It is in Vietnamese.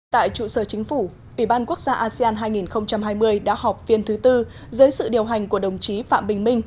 tại trụ sở chính phủ ủy ban quốc gia asean hai nghìn hai mươi đã họp phiên thứ tư dưới sự điều hành của đồng chí phạm bình minh